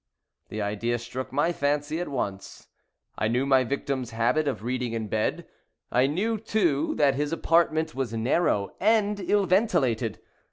The idea struck my fancy at once. I knew my victim's habit of reading in bed. I knew, too, that his apartment was narrow and ill ventilated.